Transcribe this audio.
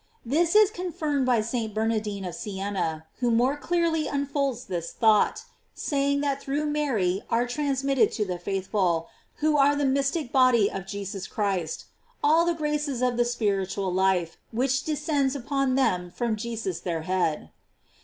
* This is confirmed by St. Bernardine of Sienna, who more clearly unfolded this thought, Baying that through Mary are> trans mitted to the faithful, who are the mystic body of Jesus Christ, all the graces of the spir itual life, which descends upon them from Jesus their head.